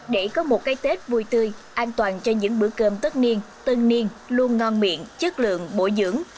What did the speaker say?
để có một cái tết vui tươi an toàn cho những bữa cơm tất niên tân niên luôn ngon miệng chất lượng bổ dưỡng